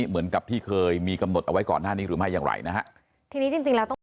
เหมือนกับที่เคยมีกำหนดเอาไว้ก่อนหน้านี้หรือไม่อย่างไรนะฮะ